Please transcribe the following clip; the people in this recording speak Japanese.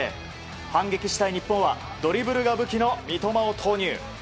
反撃したい日本はドリブルが武器の三笘を投入。